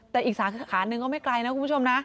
แต่อีกสาขาหนึ่งก็ไม่ไกลนะคุณผู้ชมนะ